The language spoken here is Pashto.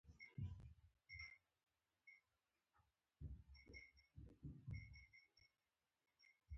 د کامن وایس پروژه د پښتو ژبې د ډیجیټل پراختیا لپاره اساسي اقدام دی.